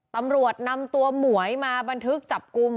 ตำรวจนำตัวหมวยมาบันทึกจับกลุ่ม